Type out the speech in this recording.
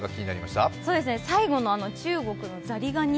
最後の中国のザリガニ。